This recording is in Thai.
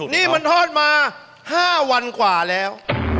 นี่มันทอดมา๕วันกว่าแล้ว